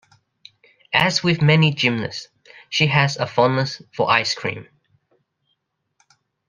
As with many gymnasts she has a fondness for ice cream.